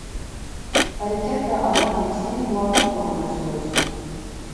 ھەرىكەت ۋە ئارام ئېلىشنى مۇۋاپىق ئورۇنلاشتۇرۇش.